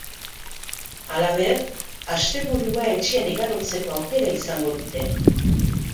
Halaber, asteburua etxean igarotzeko aukera izango dute.